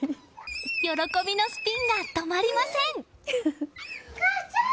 喜びのスピンが止まりません。